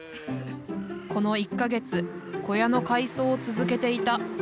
この１か月小屋の改装を続けていた。